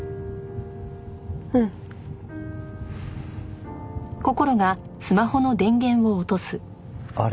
うん。あれ？